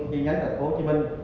chi nhánh hồ chí minh